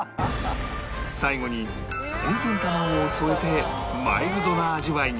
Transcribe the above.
最後に温泉卵を添えてマイルドな味わいに